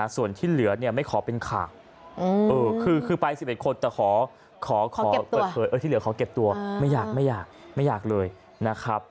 ส่วนที่เหลือไม่ขอเป็นข่าวคือไป๑๑คนแต่ขอเก็บตัวไม่อยากเลยนะครับ